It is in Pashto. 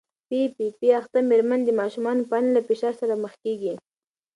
پي پي پي اخته مېرمنې د ماشوم پالنې له فشار سره مخ کېږي.